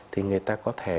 thì người ta có thể